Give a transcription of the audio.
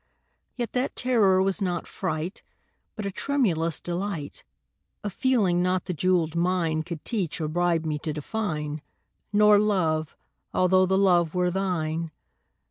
Yet that terror was not fright, But a tremulous delight A feeling not the jewelled mine Could teach or bribe me to define Nor Love although the Love were thine.